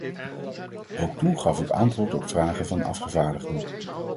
Ook toen gaf ik antwoord op vragen van afgevaardigden.